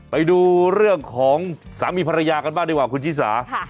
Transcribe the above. ไปดูเรื่องของสามีภรรยากันบ้างดีกว่าคุณชิสา